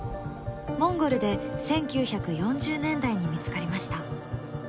モンゴルで１９４０年代に見つかりました。